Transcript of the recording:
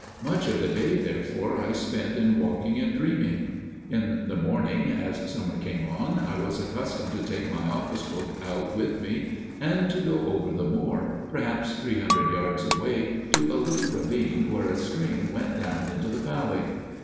Much of the day, therefore, I spent in walking and dreaming. In the morning, as summer came on, I was accustomed to take my office book out with me, and to go over the moor, perhaps three hundred yards away, to a little ravine where a stream went down into the valley.